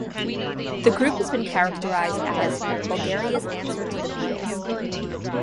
The group has been characterized as "Bulgaria's answer to The Beatles".